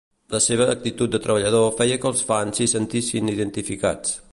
La seva actitud de treballador feia que els fans s'hi sentissin identificats.